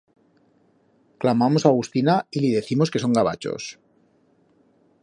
Clamamos a Agustina y li decimos que son gavachos.